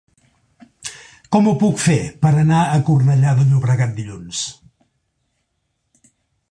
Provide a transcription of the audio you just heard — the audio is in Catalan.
Com ho puc fer per anar a Cornellà de Llobregat dilluns?